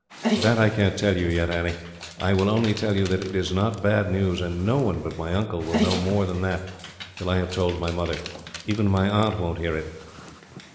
"That I can't tell you yet, Annie. I will only tell you that it is not bad news; and no one but my uncle will know more than that, till I have told my mother even my aunt won't hear it."